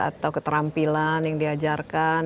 atau keterampilan yang diajarkan